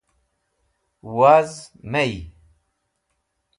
Waz mey.